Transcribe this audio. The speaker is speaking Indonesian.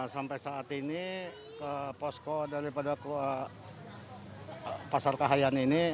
sampai saat ini ke posko daripada pasar kahayan ini